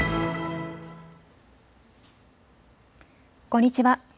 こんにちは。